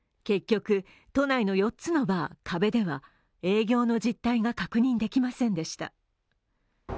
結局、都内の４つのバー「壁」では営業の実態が確認できませんでした。